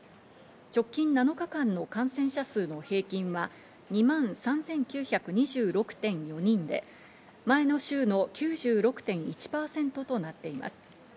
直近７日間の感染者数の平均は２万３９２６．４人で、前の週の９６．１％となっています。